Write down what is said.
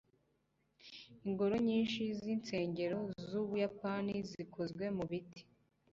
ingoro nyinshi zinsengero zubuyapani zikozwe mubiti